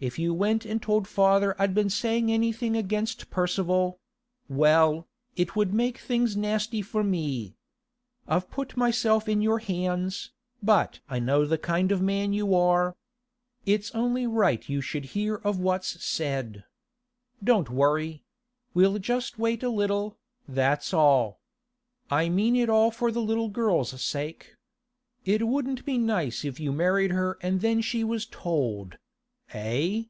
If you went and told father I'd been saying anything against Percival—well, it would make things nasty for me. I've put myself in your hands, but I know the kind of man you are. It's only right you should hear of what's said. Don't worry; we'll just wait a little, that's all. I mean it all for the little girl's sake. It wouldn't be nice if you married her and then she was told—eh?